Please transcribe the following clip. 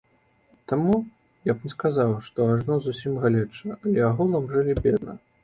Таму я б не сказаў, што ажно зусім галеча, але агулам жылі бедна.